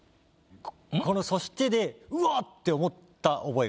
この「そして」でうわっ！って思った覚えがあるんです。